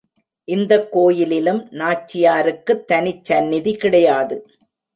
இந்தக் கோயிலிலும் நாச்சியாருக்குத் தனிச் சந்நிதி கிடையாது.